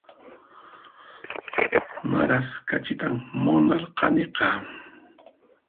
Maras kachitan munaraniqa